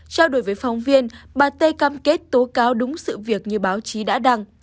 trao đổi với phóng viên bà tê cam kết tố cáo đúng sự việc như báo chí đã đăng